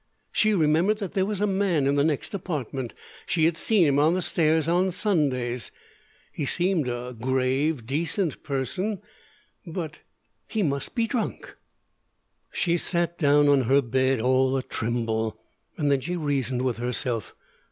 She remembered that there was a man in the next apartment. She had seen him on the stairs on Sundays. He seemed a grave, decent person; but he must be drunk. She sat down on her bed all a tremble. Then she reasoned with herself.